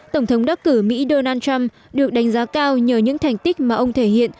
tổng thống đắc cử mỹ donald trump được đánh giá cao nhờ những thành tích mà ông thể hiện